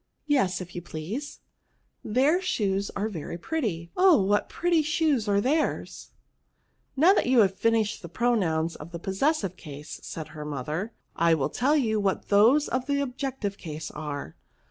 " Yes, if you please." Hieir shoes are very pretty ; oh, what pretty shoes are theirs !"" Now that you have finished the pro nouns of the possessive case," said her mo ther, I will tell you what those of the objective case are.